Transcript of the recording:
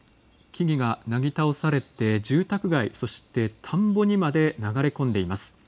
木々がなぎ倒されて住宅街、そして田んぼにまで流れ込んでいます。